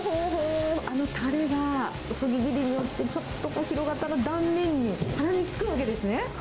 あのたれがそぎ切りによってちょっと広がったら断面にからみつくわけですね。